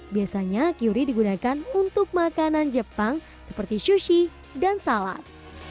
biasanya curi digunakan untuk makanan jepang seperti sushi dan salad